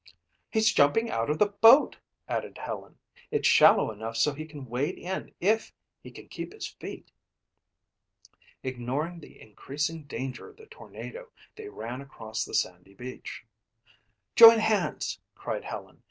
"He's jumping out of the boat," added Helen. "It's shallow enough so he can wade in if he can keep his feet." Ignoring the increasing danger of the tornado, they ran across the sandy beach. "Join hands," cried Helen.